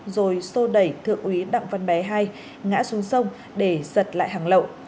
rồi xô đẩy thượng úy đặng văn bé hai ngã xuống sông để giật lại hàng lậu